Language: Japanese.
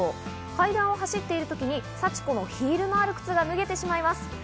階段を走っている時に幸子のヒールのある靴が脱げてしまいます。